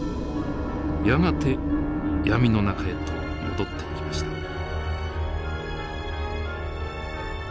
やがて闇の中へと戻っていきました。